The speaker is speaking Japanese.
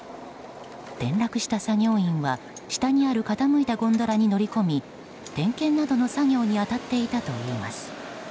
転落した作業員は下にある傾いたゴンドラに乗り込み、点検などの作業に当たっていたといいます。